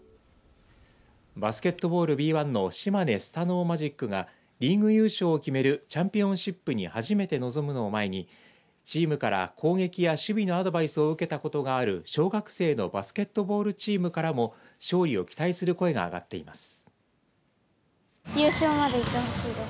バスケットボールＢ１の島根スサノオマジックがリーグ優勝を決めるチャンピオンシップに初めて臨むのを前にチームから攻撃や守備のアドバイスを受けたことがある小学校のバスケットボールチームからも勝利を期待する声が上がっています。